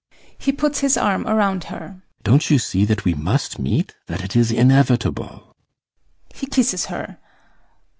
[He puts his arm around her] Don't you see that we must meet, that it is inevitable? He kisses her.